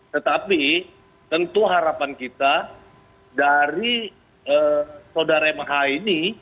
tetapi tentu harapan kita dari saudara mah ini